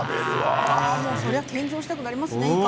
それはいかも献上したくなりますね。